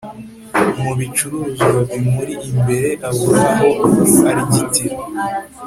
mubicuruzwa bimuri imbere abura aho arigitira